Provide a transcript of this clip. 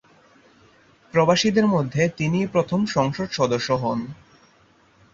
প্রবাসীদের মধ্যে তিনিই প্রথম সংসদ সদস্য হোন।